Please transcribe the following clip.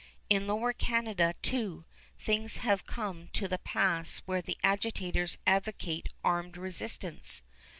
In Lower Canada, too, things have come to the pass where the agitators advocate armed resistance.